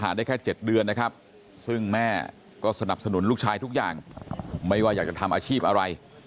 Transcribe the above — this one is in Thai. เราก็สนับสนุนลูกชายทุกอย่างไม่ว่าอยากจะทำอาชีพอะไร